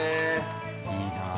いいなぁ。